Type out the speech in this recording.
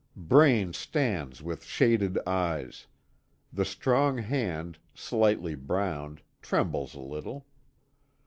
Braine stands with shaded eyes. The strong hand, slightly browned, trembles a little.